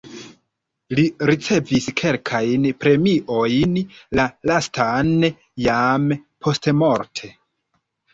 Li ricevis kelkajn premiojn, la lastan jam postmorte.